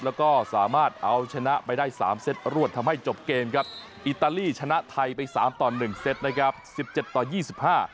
แล้วก็สามารถเอาชนะไปได้สามเซตรวดทำให้จบเกมครับอิตาลีชนะไทยไปสามต่อหนึ่งเซตนะครับสิบเจ็ดต่อยี่สิบห้า